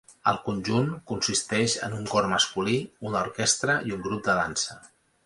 El conjunt consisteix en un cor masculí, una orquestra i un grup de dansa.